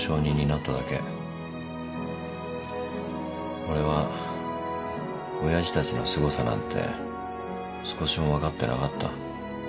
俺はおやじたちのすごさなんて少しもわかってなかった。